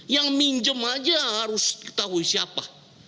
yang minjem aja harus ketahui siapa